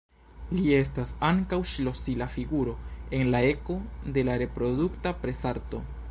Li estas ankaŭ ŝlosila figuro en la eko de la reprodukta presarto.